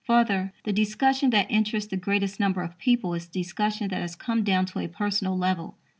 Further, the discussion that interests the greatest number of people is discussion that has come down to a personal level.